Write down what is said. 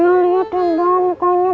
ya liat yang bangkanya